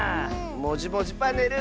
「もじもじパネル」